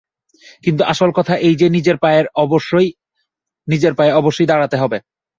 কিন্তু আসল কথা এই যে, নিজের পায়ে অবশ্যই দাঁড়াতে হবে।